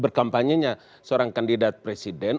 berkampanye nya seorang kandidat presiden